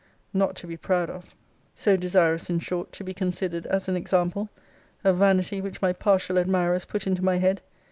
Not to be proud of. So, desirous, in short, to be considered as an example! A vanity which my partial admirers put into my head!